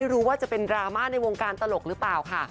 หิ้นไม่รู้ว่าจะเป็นดราม่าในวงการตลกหรือเปล่าคะ